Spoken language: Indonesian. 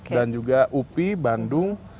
dan juga upi bandung